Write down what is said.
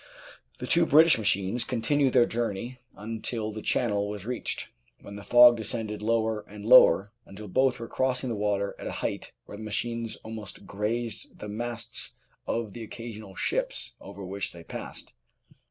The two British machines continued their journey until the Channel was reached, when the fog descended lower and lower until both were crossing the water at a height where the machines almost grazed the masts of the occasional ships over which they passed.